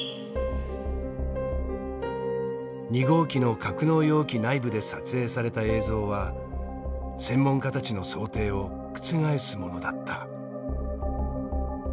２号機の格納容器内部で撮影された映像は専門家たちの想定を覆すものだった。